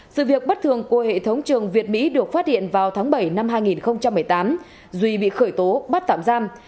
sự việc bất thường của hệ thống trường việt mỹ được phát hiện vào tháng bảy năm hai nghìn một mươi tám duy bị khởi tố bắt tạm giam